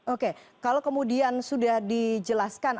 oke kalau kemudian sudah dijelaskan